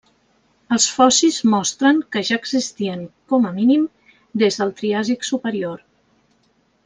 Els fòssils mostren que ja existien, com a mínim, des del Triàsic superior.